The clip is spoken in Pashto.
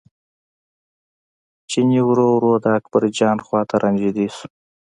چیني ورو ورو د اکبرجان خواته را نژدې شو.